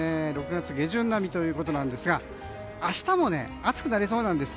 ６月下旬並みということなんですが明日も暑くなりそうなんです。